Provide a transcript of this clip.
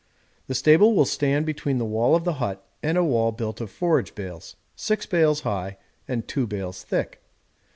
The stable will stand between the wall of the hut and a wall built of forage bales, six bales high and two bales thick.